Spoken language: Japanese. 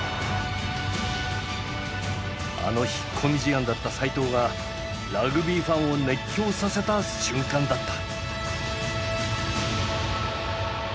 あの引っ込み思案だった齋藤がラグビーファンを熱狂させた瞬間だった。